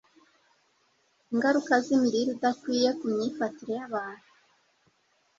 Ingaruka zImirire Idakwiriye ku Myifatire yAbantu